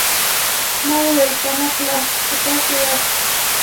ما وويل کم عقله خو تاسې ياست.